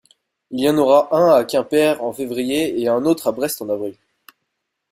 Il y en aura un à Quimper en février et un autre à Brest en avril.